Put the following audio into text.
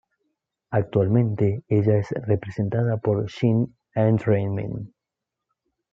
Actualmente ella es representada por Shine Entertainment.